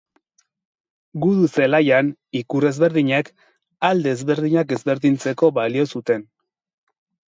Gudu zelaian, ikur ezberdinek, alde ezberdinak ezberdintzeko balio zuten.